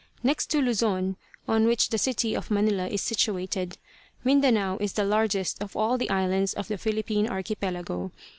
Next to Luzon, on which the city of Manila is situated, Mindanao is the largest of all the islands of the Philippine archipelago.